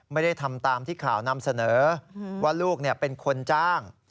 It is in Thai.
ไม่ได้ทำตามที่ข่าวนำเสนอว่าลูกเป็นคนจ้าง